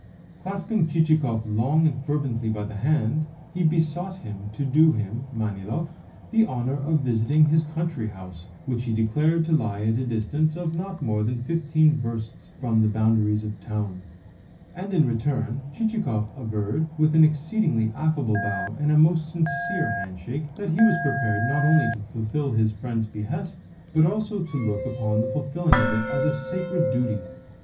Clasping Chichikov long and fervently by the hand, he besought him to do him, Manilov, the honour of visiting his country house (which he declared to lie at a distance of not more than fifteen versts from the boundaries of the town); and in return Chichikov averred (with an exceedingly affable bow and a most sincere handshake) that he was prepared not only to fulfil his friend's behest, but also to look upon the fulfilling of it as a sacred duty.